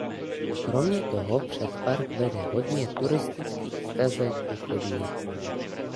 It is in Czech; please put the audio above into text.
Kromě toho přes park vede hodně turistických stezek a chodníků.